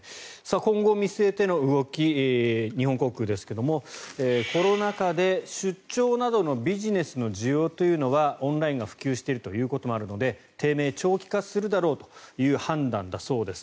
今後を見据えての動き日本航空ですがコロナ禍で出張などのビジネスの需要というのはオンラインが普及していることもあるので低迷が長期化するだろうという判断だそうです。